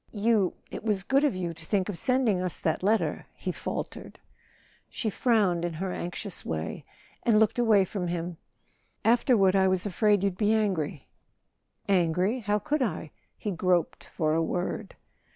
"You—it was good of you to think of sending us that letter," he faltered. She frowned in her anxious way and looked away from him. "Afterward I was afraid you'd be angry." "Angry? How could I?" He groped for a word.